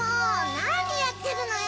なにやってるのよ！